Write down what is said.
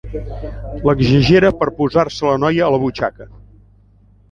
L'exagera per posar-se la noia a la butxaca.